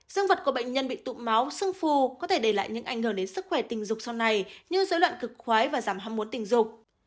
dương vật của bệnh nhân bị tụ máu xương phu có thể đẩy lại những ảnh hưởng đến sức khỏe tình dục sau này như dối loạn cực khoái và giảm hâm muốn tình dục